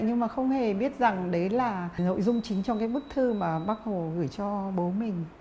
nhưng mà không hề biết rằng đấy là cái nội dung chính trong cái bức thư mà bác hồ gửi cho bố mình